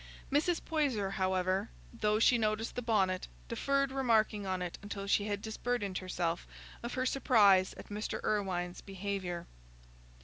Mrs. Poyser, however, though she noticed the bonnet, deferred remarking on it until she had disburdened herself of her surprise at Mr. Irwine's behaviour.